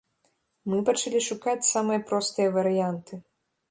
Мы пачалі шукаць самыя простыя варыянты.